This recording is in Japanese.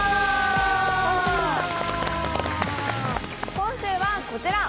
今週はこちら！